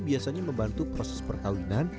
biasanya membantu proses perkawinan